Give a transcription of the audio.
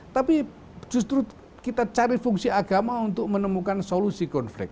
tapi justru kita cari fungsi agama untuk menemukan solusi konflik